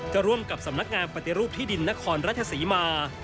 ร่วมกับสำนักงานปฏิรูปที่ดินนครราชศรีมา